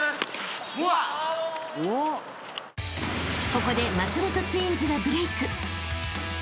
［ここで松本ツインズがブレイク］